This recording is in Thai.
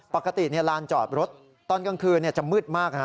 ปกติลานจอดรถตอนกลางคืนจะมืดมาก